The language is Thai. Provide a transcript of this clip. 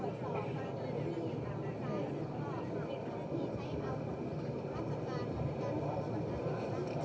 และตอนนี้เขาเข้าไปในอุปกรณาสถาปน์ของแนวสนุน